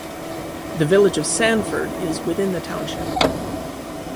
The village of Sanford is within the township.